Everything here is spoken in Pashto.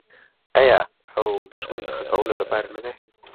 آیا او د ژوند د ښه کولو لپاره نه دی؟